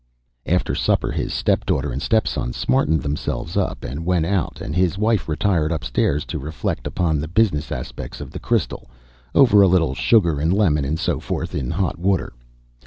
After supper his step daughter and step son smartened themselves up and went out and his wife retired upstairs to reflect upon the business aspects of the crystal, over a little sugar and lemon and so forth in hot water.